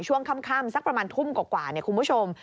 ช่วงค่ำสักประมาณทุ่มกว่าคุณผู้ชม